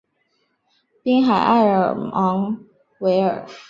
滨海埃尔芒维尔。